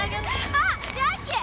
あっヤッキー！